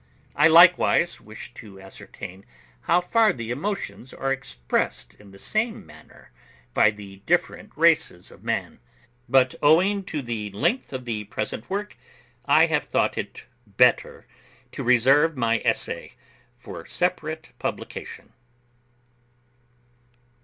I likewise wished to ascertain how far the emotions are expressed in the same manner by the different races of man. But owing to the length of the present work, I have thought it better to reserve my essay for separate publication.